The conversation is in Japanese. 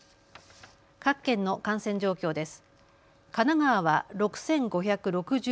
各県の感染状況です。